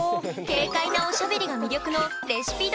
軽快なおしゃべりが魅力の「レシピ動画」！